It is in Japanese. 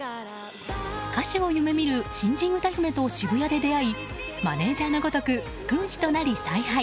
歌手を夢見る新人歌姫と渋谷で出会いマネジャーのごとく軍師となり采配